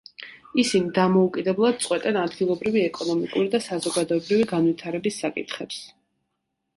ისინი დამოუკიდებლად წყვეტენ ადგილობრივი ეკონომიკური და საზოგადოებრივი განვითარების საკითხებს.